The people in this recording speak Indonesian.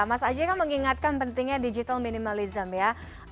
mas aji kan mengingatkan pentingnya digital minimalism ya